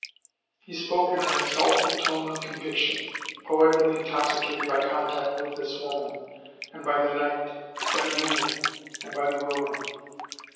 He spoke in an exalted tone of conviction, poetically intoxicated by contact with this woman, and by the night, by the moon, and by the ruin.